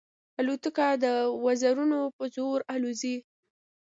الوتکه د وزرونو په زور الوزي.